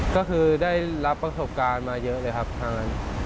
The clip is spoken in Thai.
ก็คือได้รับประสบการณ์มาเยอะเลยครับทางนั้น